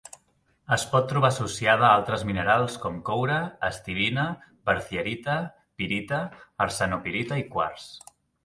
Es pot trobar associada a altres minerals, com coure, estibina, berthierita, pirita, arsenopirita i quars.